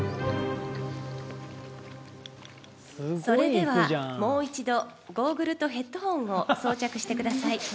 それではもう一度ゴーグルとヘッドホンを装着してください。